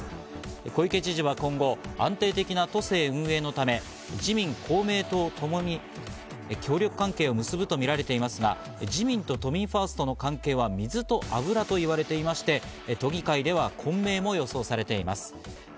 小池知事は今後、安定的な都政運営のため自民、公明ともに協力関係を結ぶとみられていますが、自民と都民ファーストの関係は水と油と言われていまして、都議会では混迷も予想されています。